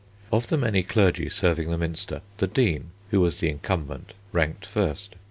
Of the many clergy serving the Minster the Dean, who was the incumbent, ranked first.